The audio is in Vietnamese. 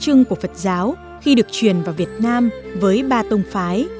trưng của phật giáo khi được truyền vào việt nam với ba tông phái